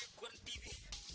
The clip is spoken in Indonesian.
ya boleh nostra gam